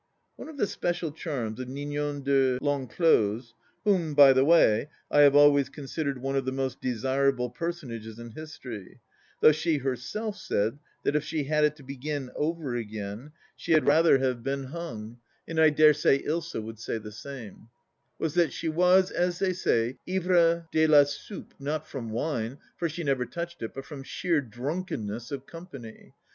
One of the special charms of Ninon de L'Enclos (whom by the way I have always considered one of the most desirable personages in history, though she herself said that if she had it to begin over again she had rather have been 86 THE LAST DITCH hung, and I dare say Ilsa would say the same), was that she was, as they said, ivre dis la soupe, not from wine, for she never touched it, but from sheer drunkenness of company.